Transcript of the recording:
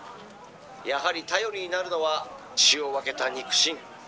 「やはり頼りになるのは血を分けた肉親。